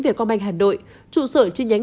việt com banh hà nội trụ sở chi nhánh